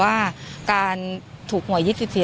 หลากหลายรอดอย่างเดียว